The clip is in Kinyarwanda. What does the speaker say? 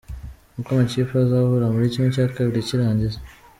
Uko amakipe azahura muri ½ cy’irangiza.